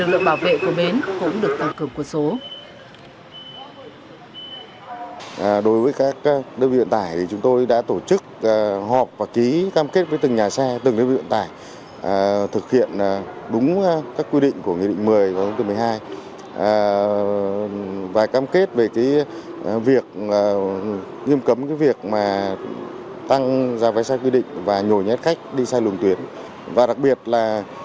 lực lượng bảo vệ của bến cũng được tăng cường quân số